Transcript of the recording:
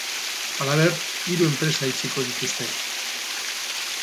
Halaber, hiru enpresa itxiko dituzte.